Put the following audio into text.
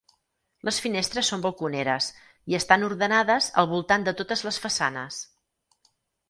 Les finestres són balconeres i estan ordenades al voltant de totes les façanes.